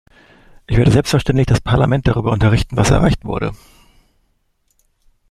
Ich werde selbstverständlich das Parlament darüber unterrichten, was erreicht wurde.